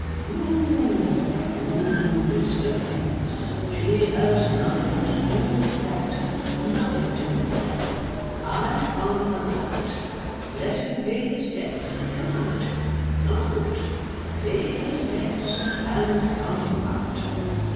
'Pooh, pooh, Mr Pancks. She has nothing to do with that, nothing to do with that. I can't allow it. Let him pay his debts and come out, come out; pay his debts, and come out.